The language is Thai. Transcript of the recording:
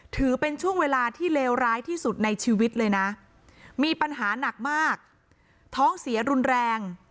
ถือเป็นช่วงเวลาที่เลวร้ายที่สุดในชีวิตเลยนะมีปัญหาหนักมากท้องเสียรุนแรง